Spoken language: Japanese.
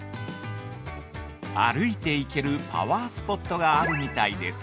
◆歩いていけるパワースポットがあるみたいです。